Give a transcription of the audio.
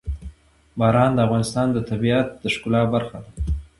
باران د افغانستان د طبیعت د ښکلا برخه ده.